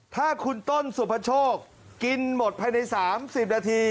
ถ้าคุณต้นสุพโชคกินหมดภายใน๓๐นาที